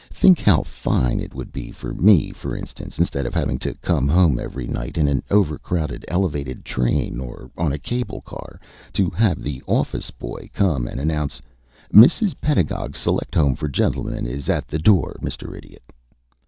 Think how fine it would be for me, for instance, instead of having to come home every night in an overcrowded elevated train or on a cable car, to have the office boy come and announce, 'Mrs. Pedagog's Select Home for Gentlemen is at the door, Mr. Idiot.'